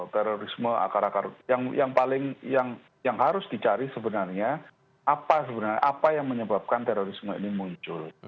terorisme akar akar yang paling yang harus dicari sebenarnya apa sebenarnya apa yang menyebabkan terorisme ini muncul